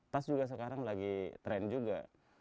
tas juga sekarang lagi tren juga